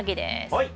はい。